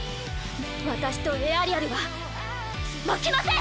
私とエアリアルは負けません！